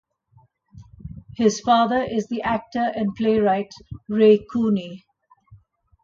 His father is the actor and playwright Ray Cooney.